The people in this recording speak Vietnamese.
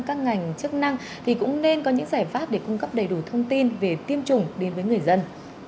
các ngành chức năng thì cũng nên có những giải pháp để cung cấp đầy đủ thông tin về tiêm chủng đến với người dân